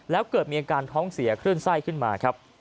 แล้วเกิดมีอาการท้องเสียคลื่นไส้ขึ้นมาครับ